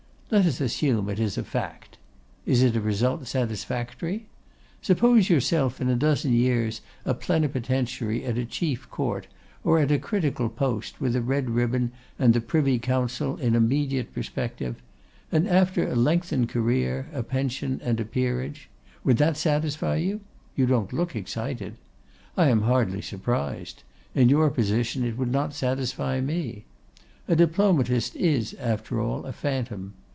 Let us assume it as a fact. Is it a result satisfactory? Suppose yourself in a dozen years a Plenipotentiary at a chief court, or at a critical post, with a red ribbon and the Privy Council in immediate perspective; and, after a lengthened career, a pension and a peerage. Would that satisfy you? You don't look excited. I am hardly surprised. In your position it would not satisfy me. A Diplomatist is, after all, a phantom.